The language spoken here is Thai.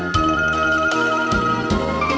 ในวันที่สุดท้าย